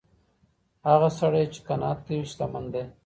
هغه سړی چي قناعت کوي شتمن دی.